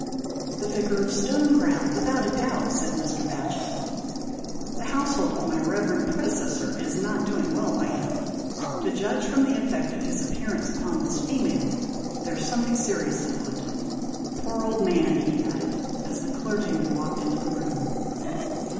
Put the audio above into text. " The Vicar of Stoneground, without a doubt," said Mr. Batchel. "The household of my reverend predecessor is not doing well by him ; to j udge from the effect of his appearance upon this female, there's something serious afoot. Poor old man," he added, as the clergy man walked into the room.